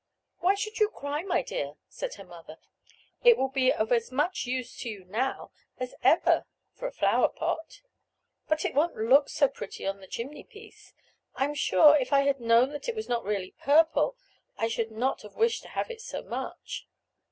"Why should you cry, my dear?" said her mother; "it will be of as much use to you now as ever, for a flower pot." "But it won't look so pretty on the chimney piece. I am sure, if I had known that it was not really purple, I should not have wished to have it so much."